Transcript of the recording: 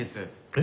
え？